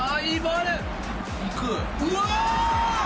うわ！